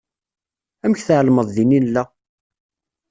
Amek tεelmeḍ din i nella?